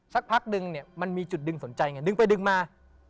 สักพักนึงเนี่ยมันมีจุดดึงสนใจไงดึงไปดึงมา